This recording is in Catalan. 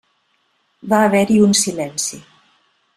Va haver-hi un silenci.